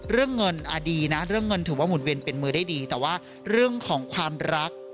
เรื่องเงินดีนะเรื่องเงินถือว่าหุ่นเวียนเป็นมือได้ดีแต่ว่าเรื่องของความรัก